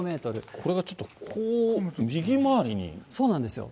これがちょっとこう、そうなんですよ。